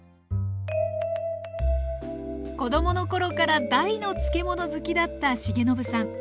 子供のころから大の漬物好きだった重信さん。